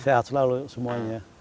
sehat selalu semuanya